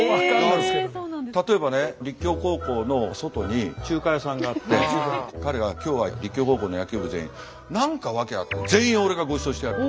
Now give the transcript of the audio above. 例えばね立教高校の外に中華屋さんがあって彼が今日は立教高校の野球部全員何か訳あって「全員俺がごちそうしてやる」って。